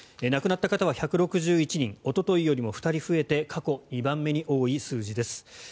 亡くなった方は１６１人おとといよりも２人増えて過去２番目に多い数字です。